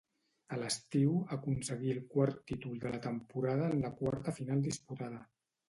A l'estiu aconseguí el quart títol de la temporada en la quarta final disputada.